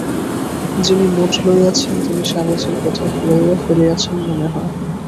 যিনি নোট লইয়াছেন, তিনি স্বামীজীর কথা গুলাইয়া ফেলিয়াছেন, মনে হয়।